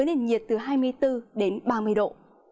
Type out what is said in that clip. với nền nhiệt từ hai mươi bốn ba mươi độ